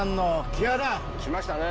来ましたね